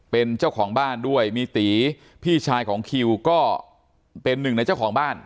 เป็นเจ้าของบ้านด้วยมีตีพี่ชายของคิวก็เป็นหนึ่งในเจ้าของบ้าน